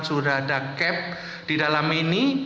sudah ada cap di dalam ini